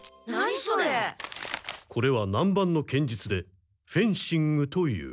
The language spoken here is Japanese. これは南蛮の剣術でフェンシングという。